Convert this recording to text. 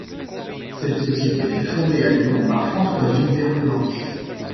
Cette société fut fondée à Lyon par François Gilbert Planche.